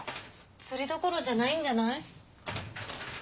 釣りどころじゃないんじゃない？